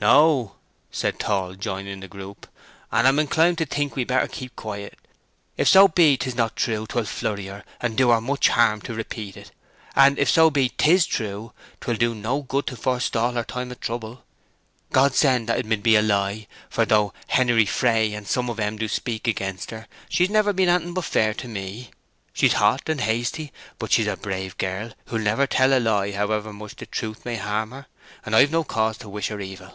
"No," said Tall, joining the group. "And I'm inclined to think we'd better keep quiet. If so be 'tis not true, 'twill flurry her, and do her much harm to repeat it; and if so be 'tis true, 'twill do no good to forestall her time o' trouble. God send that it mid be a lie, for though Henery Fray and some of 'em do speak against her, she's never been anything but fair to me. She's hot and hasty, but she's a brave girl who'll never tell a lie however much the truth may harm her, and I've no cause to wish her evil."